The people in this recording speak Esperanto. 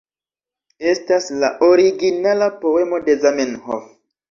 Estas la originala poemo de Zamenhof